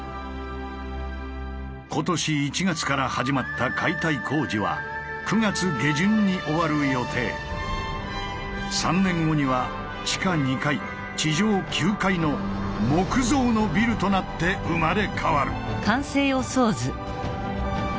今年１月から始まった解体工事は３年後には地下２階地上９階の木造のビルとなって生まれ変わる。